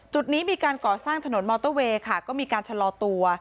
จุดนี้มีการก่อสร้างถนนมอเตอร์เวย์ค่ะก็มีการชะลอตัว